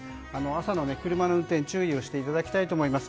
朝の車の運転注意していただきたいと思います。